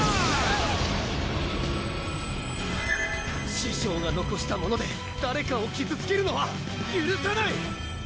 師匠がのこしたもので誰かを傷つけるのはゆるさない！